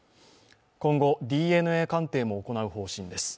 今後、ＤＮＡ鑑定も行う方針です。